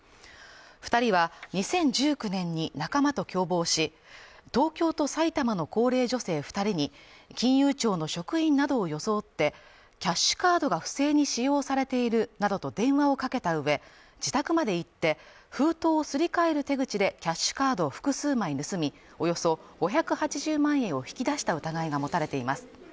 ２人は２０１９年に仲間と共謀し、東京と埼玉の高齢女性２人に金融庁の職員などを装ってキャッシュカードが不正に使用されているなどと電話をかけたうえ自宅まで行って、封筒をすり替える手口でキャッシュカードを複数枚盗み、およそ５８０万円を引き出した疑いが持たれています。